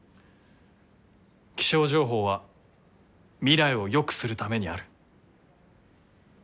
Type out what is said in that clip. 気象情報は未来をよくするためにある。